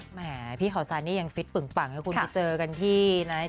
แหม่พี่เขาซายนี่ยังฟิตปึ่งปังแล้วคุณไปเจอกันที่ซ้อมมวยใช่ไหม